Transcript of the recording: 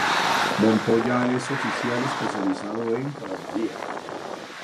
Montoya es oficial especializado en Caballería.